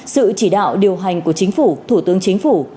sự chỉ đạo điều hành của chính phủ thủ tướng chính phủ